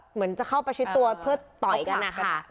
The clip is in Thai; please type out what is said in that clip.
เหมือนจะเข้าประชิดตัวเพื่อต่อยกันนะคะ